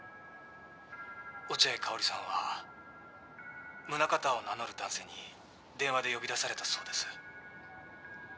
「落合佳保里さんは宗形を名乗る男性に電話で呼び出されたそうです」